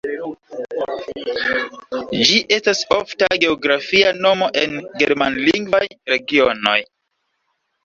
Ĝi estas ofta geografia nomo en germanlingvaj regionoj.